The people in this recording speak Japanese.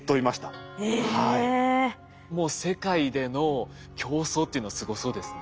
もう世界での競争っていうのはすごそうですね。